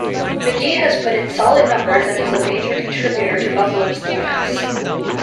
McGee has put in solid numbers and is a major contributor to Buffalo's defense.